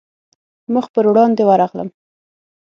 مخ پر وړاندې ورغلم.